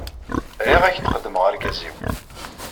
Riɣ ad ak-d-qeddmeɣ argaz-inu.